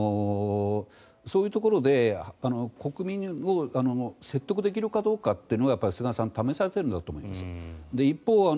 そういうところで、国民を説得できるかどうかというのを菅さんは試されているんだと思います。